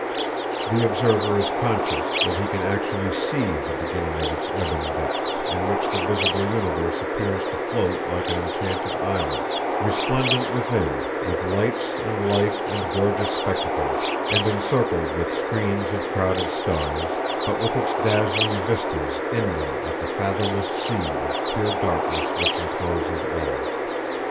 The observer is conscious that he can actually see the beginning of its ebon depths, in which the visible universe appears to float like an enchanted island, resplendent within with lights and life and gorgeous spectacles, and encircled with screens of crowded stars, but with its dazzling vistas ending at the fathomless sea of pure darkness which encloses all.